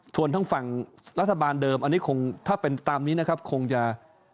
ส่วนทางฝั่งรัฐบาลเดิมอันนี้คงถ้าเป็นตามนี้นะครับคงจะ